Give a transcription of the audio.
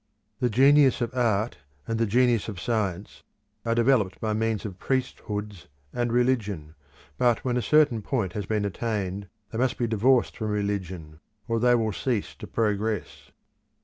The genius of art and the genius of science are developed by means of priesthoods and religion but when a certain point has been attained, they must be divorced from religion, or they will cease to progress.